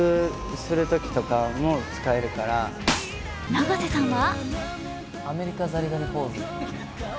永瀬さんは？